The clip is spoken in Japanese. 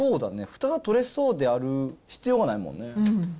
ふたがとれそうである必要がないもんね。